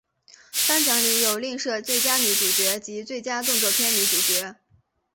颁奖礼有另设最佳女主角及最佳动作片女主角。